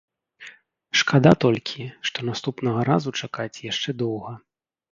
Шкада толькі, што наступнага разу чакаць яшчэ доўга!